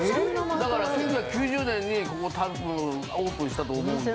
だから１９９０年にここ多分オープンしたと思うんで。